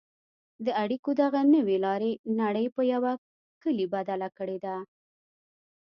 د اړیکو دغې نوې لارې نړۍ په یوه کلي بدله کړې ده.